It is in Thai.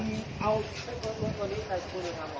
เมื่อ๑๙นาทีแม่งก็โดดใส่หน้าโน้น